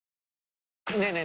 ねえねえ